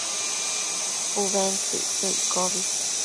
Ubentsëcquio iccobi